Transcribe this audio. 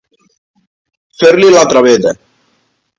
Fer-li la traveta.